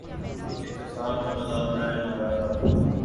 احتساب کا مذاق اڑایا جا رہا تھا۔